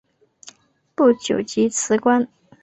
不久即辞官。